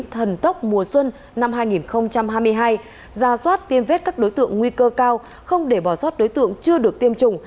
thần tốc mùa xuân năm hai nghìn hai mươi hai ra soát tiêm vết các đối tượng nguy cơ cao không để bỏ sót đối tượng chưa được tiêm chủng